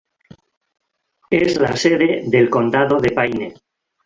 Es la sede del condado de Payne.